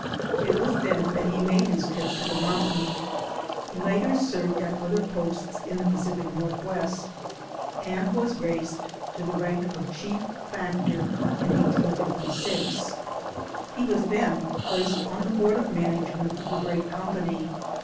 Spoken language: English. It was then that he made his trip to the moun tain. He later served at other posts in the Pacific Northwest, and was raised to the rank of Chief Factor in 1856. He was then placed on the board of management of the great company.